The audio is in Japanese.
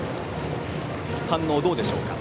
反応、どうでしょうか。